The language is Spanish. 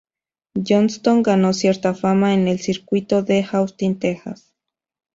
Johnston ganó cierta fama en el circuito de Austin, Texas.